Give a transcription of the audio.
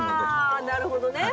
ああなるほどね。